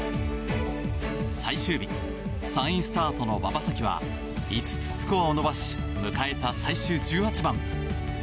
最終日３位スタートの馬場咲希は５つスコアを伸ばし迎えた最終１８番。